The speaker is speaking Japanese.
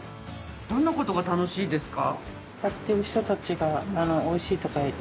どんな事が楽しいですか？